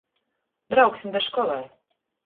Brauksim da školai.